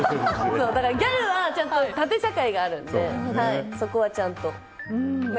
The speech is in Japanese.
ギャルはちゃんと縦社会があるのでそこはちゃんと。